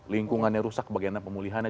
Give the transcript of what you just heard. lingkungannya rusak bagiannya pemulihannya